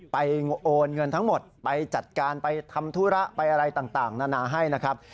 โอนเงินทั้งหมดไปจัดการไปทำธุระไปอะไรต่างนานาให้นะครับ